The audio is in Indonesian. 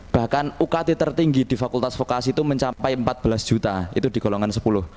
bahkan ukt tertinggi di fakultas vokasi itu mencapai empat belas juta itu di golongan sepuluh